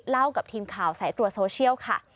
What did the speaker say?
กับทีมข่าวสายตรวจโซเชียลค่ะ